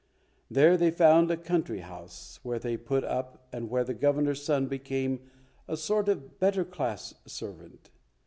There they found a country house, where they put up, and where the Governor's son became a sort of better class servant.